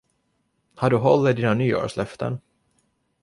Har du hållit dina nyårslöften?